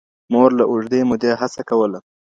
مور له اوږدې مودې هڅه کوله.